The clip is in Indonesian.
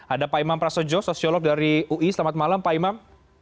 ada pak imam prasojo sosiolog dari ui selamat malam pak imam